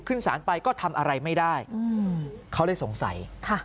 ขึ้นสารไปก็ทำอะไรไม่ได้เขาเลยสงสัยค่ะ